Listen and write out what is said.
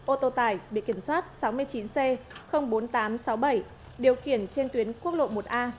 ô tô tải bị kiểm soát sáu mươi chín c bốn nghìn tám trăm sáu mươi bảy điều khiển trên tuyến quốc lộ một a